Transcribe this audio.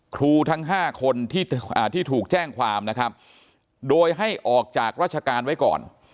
ทั้ง๕คนที่ถูกแจ้งความนะครับโดยให้ออกจากราชการไว้ก่อน